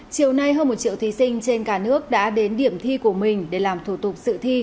chiều nay hơn một triệu thí sinh trên cả nước đã đến điểm thi của mình để làm thủ tục sự thi